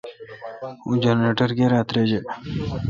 اوں جنریٹر کرا تریجہ۔